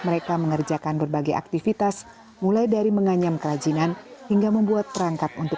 mereka mengerjakan berbagai aktivitas mulai dari menganyam kerajinan hingga membuat perangkat untuk